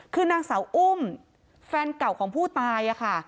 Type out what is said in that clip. คือนางสาวอุ้มแฟนเก่าของผู้ตายค่ะ